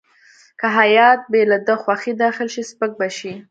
که هیات بې له ده خوښې داخل شي سپک به شي.